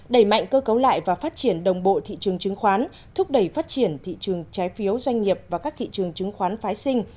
đẩy mạnh cơ cấu lại và phát triển đồng bộ thị trường chứng khoán thúc đẩy phát triển thị trường trái phiếu doanh nghiệp và các thị trường chứng khoán phái sinh